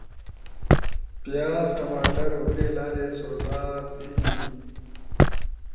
پیاز، ٹماٹڑ حوری لالی سؤدا بینی.